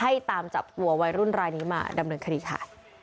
ตามจับตัววัยรุ่นรายนี้มาดำเนินคดีค่ะ